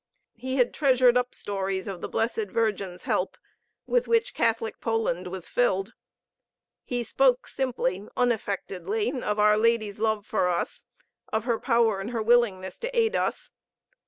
He had treasured up stories of the Blessed Virgin's help, with which Catholic Poland was filled. He spoke simply, unaffectedly, of our Lady's love for us, of her power, her willingness to aid us.